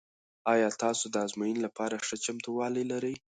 آیا تاسو د ازموینې لپاره ښه چمتووالی لرئ؟